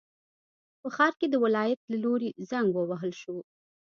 په ښار کې د ولایت له لوري زنګ ووهل شو.